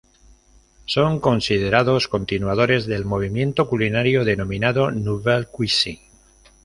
Son considerados continuadores del movimiento culinario denominado Nouvelle cuisine.